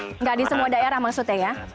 tidak di semua daerah maksudnya ya